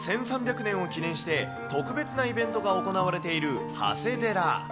１３００年を記念して、特別なイベントが行われている長谷寺。